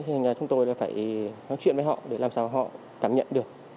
thế nên là chúng tôi phải nói chuyện với họ để làm sao họ cảm nhận được